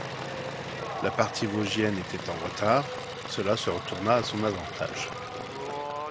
La partie vosgienne était en retard, cela se retournera à son avantage.